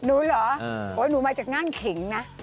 หนูเหรอหนูมาจากงานขิงนะ